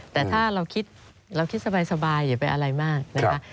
แต่ถ้าเราคิดสบายอย่าไปอะไรมากนะครับ